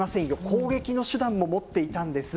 攻撃の手段も持っていたんです。